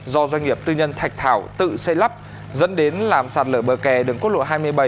do doanh nghiệp tư nhân thạch thảo tự xây lắp dẫn đến làm sạt lở bờ kè đường quốc lộ hai mươi bảy